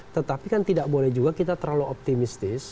tetapi kan tidak boleh juga kita terlalu optimistis